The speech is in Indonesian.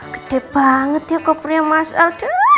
gede banget ya kopernya mas aldo